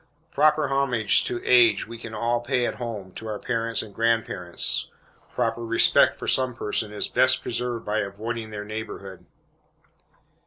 Proper homage to age we can all pay at home, to our parents and grandparents. Proper respect for some persons is best preserved by avoiding their neighborhood.